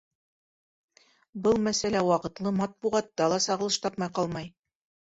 Был мәсьәлә ваҡытлы матбуғатта ла сағылыш тапмай ҡалмай.